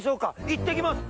いってきます。